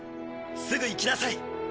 すぐ行きなさい。